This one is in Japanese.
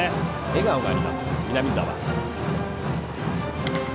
笑顔があります、南澤。